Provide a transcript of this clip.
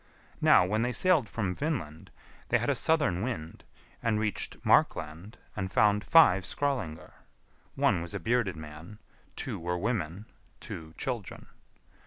Now, when they sailed from Vinland, they had a southern wind, and reached Markland, and found five Skrœlingar; one was a bearded man, two were women, two children.